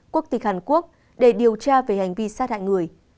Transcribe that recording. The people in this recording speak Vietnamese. quốc tịch hàn quốc để điều tra về hành vi sát hại người